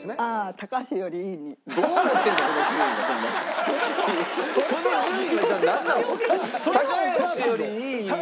高橋よりいい４位？